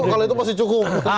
kalau itu masih cukup